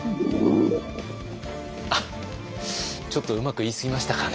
あっちょっとうまく言いすぎましたかね。